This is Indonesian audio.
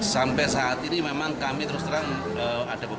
sampai saat ini memang kami terus terang ada beberapa